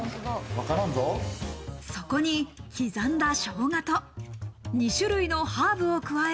そこに刻んだ生姜と２種類のハーブを加え。